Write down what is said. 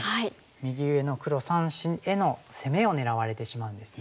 右上の黒３子への攻めを狙われてしまうんですね。